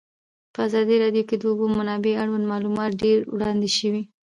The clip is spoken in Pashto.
په ازادي راډیو کې د د اوبو منابع اړوند معلومات ډېر وړاندې شوي.